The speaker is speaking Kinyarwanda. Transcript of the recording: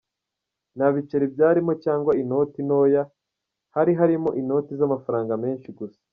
Nta biceri byarimo cyangwa inoti ntoya, hari harimo inoti z’amafaranga menshi gusa.